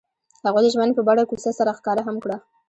هغوی د ژمنې په بڼه کوڅه سره ښکاره هم کړه.